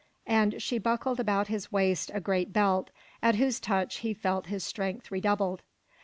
And she buckled about his waist a great belt, at whose touch he felt his strength redoubled.